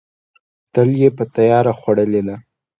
تل یې په تیار خوړلې ده.